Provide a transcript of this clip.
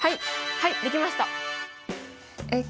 はいできました。